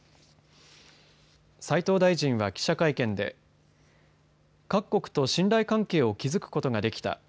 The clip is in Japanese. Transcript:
斉藤大臣は記者会見で各国と信頼関係を築くことができた。